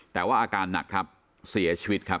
แต่ว่าอาการหนักครับเสียชีวิตครับ